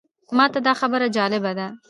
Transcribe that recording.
ماته دا خبره جالبه ده.